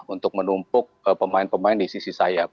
untuk menumpuk pemain pemain di sisi sayap